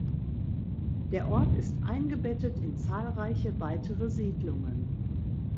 Der Ort ist eingebettet in zahlreiche weitere Siedlungen.